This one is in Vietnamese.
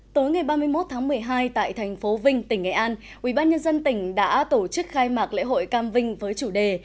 tối ngày ba mươi một tháng một mươi hai tại thành phố vinh tỉnh nghệ an ubnd tỉnh đã tổ chức khai mạc lễ hội cam vinh với chủ đề